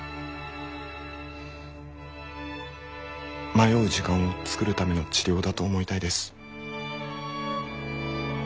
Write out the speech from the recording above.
迷う時間を作るための治療だと思いたいです。